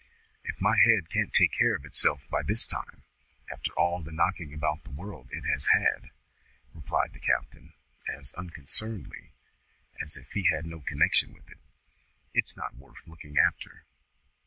"If my head can't take care of itself by this time, after all the knocking about the world it has had," replied the captain, as unconcernedly as if he had no connection with it, "it's not worth looking after."